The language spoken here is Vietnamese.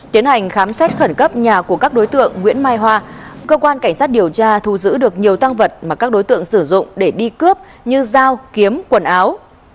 tiến hành khám xét khẩn cấp nhà của các đối tượng nguyễn mai hoa cơ quan cảnh sát điều tra thu giữ được nhiều tăng vật mà các đối tượng sử dụng để đi cướp như dao kiếm quần áo